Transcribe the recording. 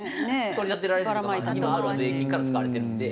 取り立てられるというか今ある税金から使われてるので。